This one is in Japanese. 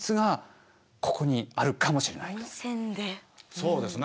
そうですね。